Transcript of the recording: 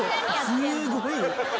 すごい。